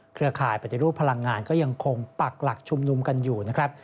ข่ายปฏิรูปพลังงานก็ยังคงปักหลักชุมนุมกันอยู่นะครับ